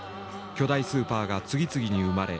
巨大スーパーが次々に生まれ